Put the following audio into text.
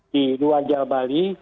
di luar jawa bali